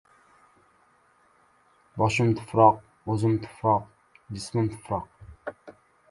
Boshim tufroq, o‘zim tufroq, jismim tufroq...